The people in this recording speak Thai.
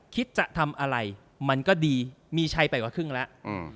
คิดจะทำอะไรมันก็ดีมีชัยไปกว่าครึ่งแล้ว